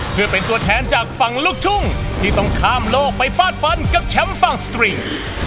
เพื่อเป็นตัวแทนจากฝั่งลูกทุ่งที่ต้องข้ามโลกไปฟาดฟันกับแชมป์ฝั่งสตรีท